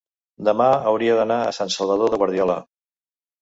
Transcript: demà hauria d'anar a Sant Salvador de Guardiola.